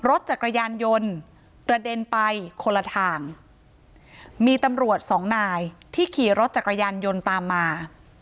รถจักรยานยนต์กระเด็นไปคนละทางมีตำรวจสองนายที่ขี่รถจักรยานยนต์ตามมา